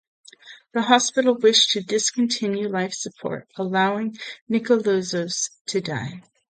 The hospital wished to discontinue life support, allowing Nikolouzos to die.